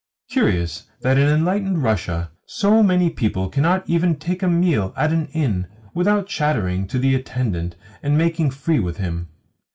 Curious that in enlightened Russia so many people cannot even take a meal at an inn without chattering to the attendant and making free with him!